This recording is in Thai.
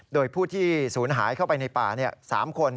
โดยผู้ที่ศูนย์หายเข้าไปในป่า๓คน